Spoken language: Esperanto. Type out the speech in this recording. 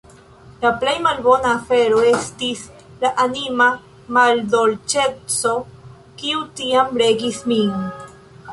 La plej malbona afero estis la anima maldolĉeco, kiu tiam regis min.